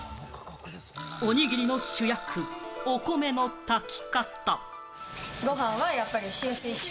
おにぎりの主役、お米の炊き方。